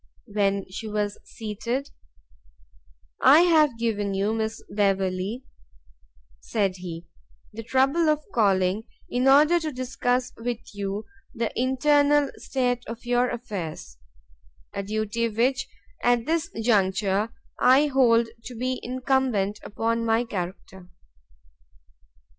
When she was seated, "I have given you, Miss Beverley," said he, "the trouble of calling, in order to discuss with you the internal state of your affairs; a duty which, at this juncture, I hold to be incumbent upon my character.